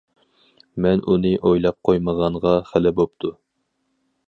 مەن ئۇنى ئويلاپ قويمىغانغا خېلى بوپتۇ.